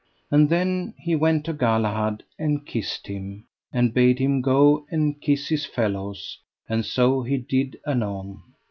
And then he went to Galahad and kissed him, and bade him go and kiss his fellows: and so he did anon.